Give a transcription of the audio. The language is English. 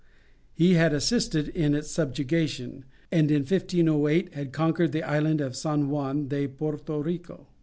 He had assisted in its subjugation, and in 1508 had conquered the island of San Juan de Porto Rico.